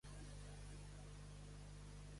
Sit Next to Me.